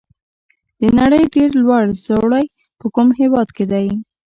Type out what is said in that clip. د نړۍ ډېر لوړ ځړوی په کوم هېواد کې دی؟